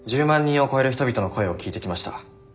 人を超える人々の声を聞いてきました。